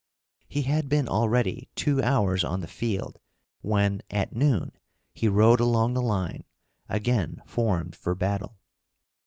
He had been already two hours on the field when, at noon, he rode along the line, again formed for battle.